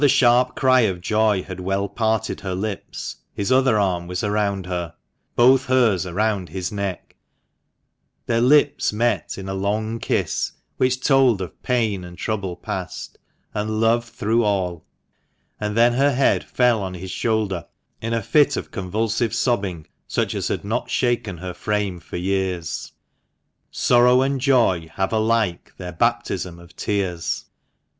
147 sharp cry of joy had well parted her lips, his other arm was around her — both hers around his neck ; their lips met in a long kiss, which told of pain and trouble past, and love through all ; and then her head fell on his shoulder in a fit of convulsive sobbing such as had not shaken her frame for years. Sorrow and joy have alike their baptism of tears